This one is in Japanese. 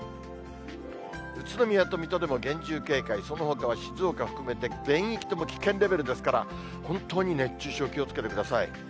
宇都宮と水戸でも厳重警戒、そのほかは静岡含めて全域とも危険レベルですから、本当に熱中症、気をつけてください。